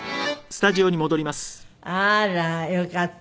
あらよかった。